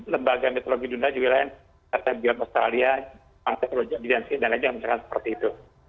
lembaga metodologi dunia juga lain ktb australia ktb indonesia dan lain lain yang menyatakan seperti itu